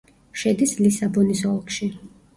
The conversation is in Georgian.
შედის ლისაბონის ოლქში.